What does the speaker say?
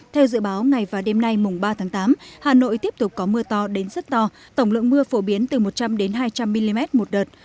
theo dự báo ngày và đêm nay mùng ba tháng tám hà nội tiếp tục có mưa to đến rất to tổng lượng mưa phổ biến từ một trăm linh hai trăm linh mm một đợt